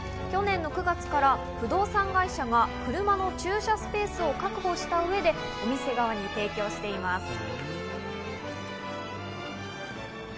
去年の９月から不動産会社が車の駐車スペースを確保した上で店側に提供しています。